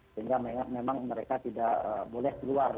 sehingga memang mereka tidak boleh keluar